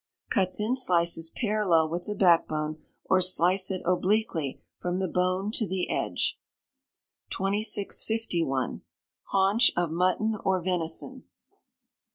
Cut thin slices parallel with the back bone; or slice it obliquely from the bone to the edge. 2651. Haunch of Mutton or Venison.